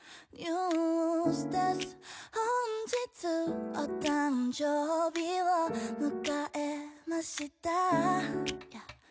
本日お誕生日を迎えました。